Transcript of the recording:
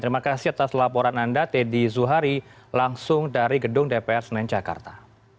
terima kasih atas laporan anda teddy zuhari langsung dari gedung dpr senen jakarta